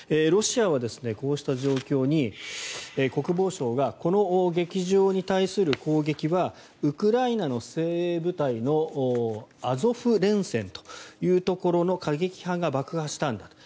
ロシアはこうした状況に国防相がこの劇場に対する攻撃はウクライナの精鋭部隊のアゾフ連隊というところの過激派が爆破したんだ